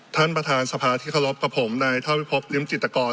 ท่านประธานสภาที่เคารพกับผมนายเท่าพิพบริมจิตกร